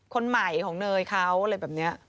คนใหม่ของเนยเขาอะไรแบบนี้